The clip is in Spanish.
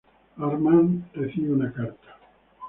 Armand recibe una carta.